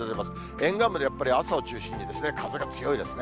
沿岸部でやっぱり朝を中心に風が強いですね。